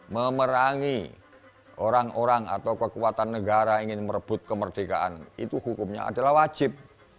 memerangi orang orang atau kekuatan negara ingin merebut kemerdekaan itu hukumnya adalah wajib